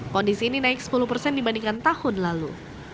kondisi ini naik sepuluh persen dibandingkan tahun lalu